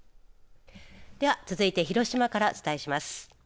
では続いて広島からお伝えします。